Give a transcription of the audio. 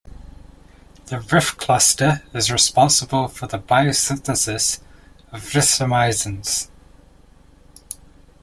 The "rif" cluster is responsible for the biosynthesis of rifamycins.